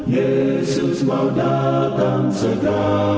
yesus mau datang segera